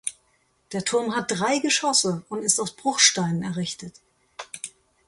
Der Turm hat drei Geschosse und ist aus Bruchsteinen errichtet.